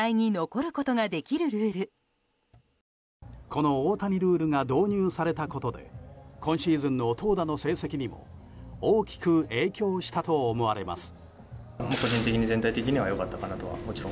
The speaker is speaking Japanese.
この大谷ルールが導入されたことで今シーズンの投打の成績にも大きく影響したと思われます。